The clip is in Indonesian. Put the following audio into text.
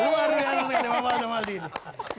luar biasa sekali bang faldo maldini